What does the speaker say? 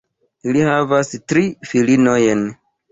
Ili havas tri filinojn.